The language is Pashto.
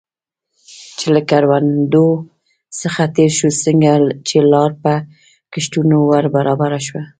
چې له کروندو څخه تېر شو، څنګه چې لار په کښتونو ور برابره شوه.